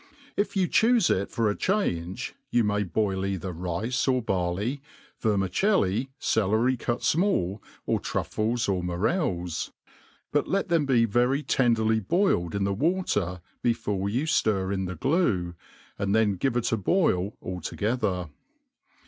If you chufe it for change, you may boil either rice or barley, vermicelli, celery cut fmail, or truffles or morels; but let them be very tenderly boiled in the water before you ftir in the glue, and then give it a boil all together.